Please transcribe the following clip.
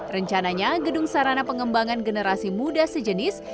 rencananya gedung sarana pengembangan generasi muda sejenis